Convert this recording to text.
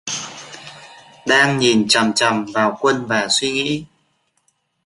Đang nhìn chằm chằm vào Quân và suy nghĩ